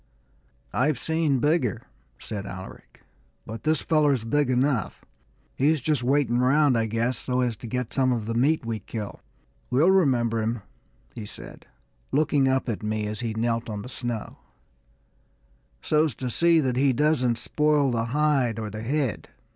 "I've seen bigger," said Alaric, "but this feller's big enough. He's just waiting round, I guess, so as to get some of the meat we kill. We'll remember him," he said, looking up at me as he knelt on the snow, "so's to see that he doesn't spoil the hide or the head."